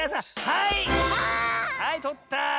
はいとった。